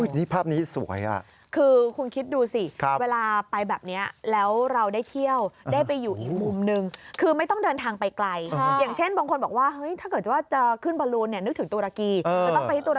ถ้าจะขึ้นส่งเบอร์โลนนึกถึงตาลังกี